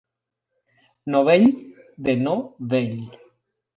Novell: "De no-vell".